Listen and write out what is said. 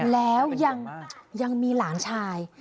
แล้วยังมีหลานชาย